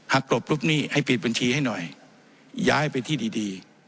กรบลูกหนี้ให้ปิดบัญชีให้หน่อยย้ายไปที่ดีดี